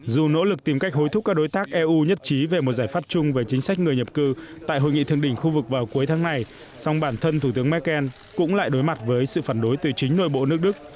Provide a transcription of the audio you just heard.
dù nỗ lực tìm cách hối thúc các đối tác eu nhất trí về một giải pháp chung về chính sách người nhập cư tại hội nghị thương đỉnh khu vực vào cuối tháng này song bản thân thủ tướng merkel cũng lại đối mặt với sự phản đối từ chính nội bộ nước đức